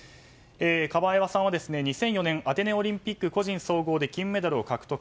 カバエワさんはアテネオリンピック個人総合で金メダルを獲得。